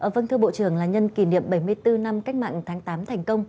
vâng thưa bộ trưởng là nhân kỷ niệm bảy mươi bốn năm cách mạng tháng tám thành công